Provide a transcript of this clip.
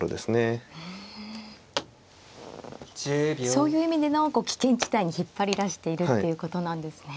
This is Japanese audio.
そういう意味での危険地帯に引っ張り出しているっていうことなんですね。